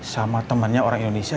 sama temannya orang indonesia